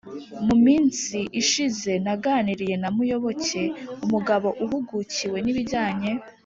mu minsi ishize naganiriye na muyoboke umugabo uhugukiwe n'ibijyanye